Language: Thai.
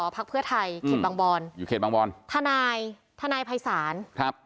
พักเพื่อไทยเขตบางบอนอยู่เขตบางบอนทนายทนายภัยศาลครับ